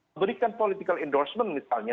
memberikan political endorsement misalnya